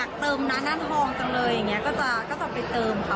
ชอบไปเติมค่ะ